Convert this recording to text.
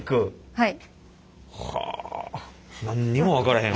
はい。